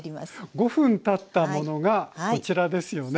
５分たったものがこちらですよね。